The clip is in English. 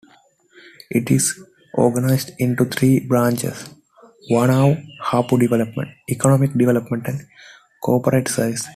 It is organised into three branches: "Whanau Hapu Development", "Economic Development" and "Corporate Services".